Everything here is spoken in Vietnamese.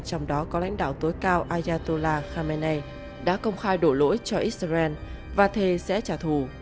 trong đó có lãnh đạo tối cao ayatola khamenei đã công khai đổ lỗi cho israel và thề sẽ trả thù